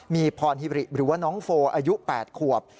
มีพรฮิริหรือว่าน้องโฟอายุ๘ขวบ